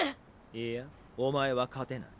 いやお前は勝てない。